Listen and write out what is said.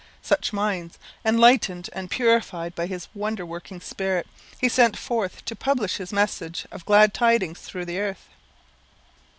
Such minds, enlightened and purified by his wonder working Spirit, He sent forth to publish his message of glad tidings through the earth.